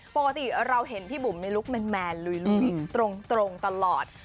ปกติเราเห็นพี่บุ๋มในลุคแมนลุยตรงตลอด